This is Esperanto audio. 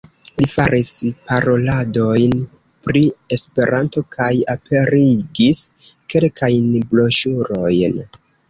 Li faris paroladojn pri Esperanto kaj aperigis kelkajn broŝurojn.